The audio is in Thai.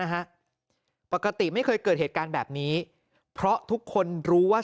ฮะปกติไม่เคยเกิดเหตุการณ์แบบนี้เพราะทุกคนรู้ว่า